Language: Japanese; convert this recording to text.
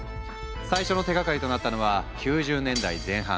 最初の手がかりとなったのは９０年代前半